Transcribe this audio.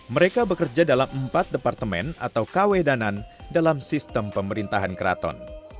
mereka bekerja dalam empat departemen atau kawedanan dalam sistem pemerintahan keraton